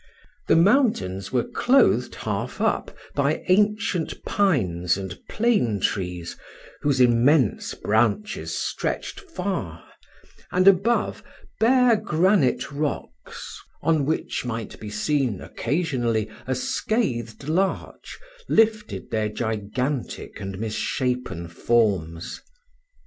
The mountains were clothed half up by ancient pines and plane trees, whose immense branches stretched far; and above, bare granite rocks, on which might be seen, occasionally, a scathed larch, lifted their gigantic and mishapen forms.